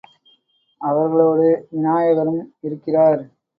அவர்களோடு விநாயகரும் இருக்கிறார்.